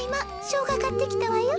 しょうがかってきたわよ。